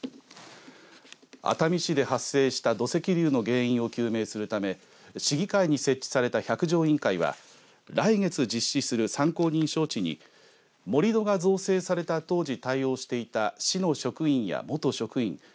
熱海市で発生した土石流の原因を究明するため市議会に設置された百条委員会は来月実施する参考人招致に盛り土が造成された当時対応していた市の職員や元職員